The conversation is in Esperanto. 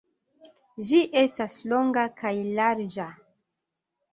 Ĝi estas longa kaj larĝa.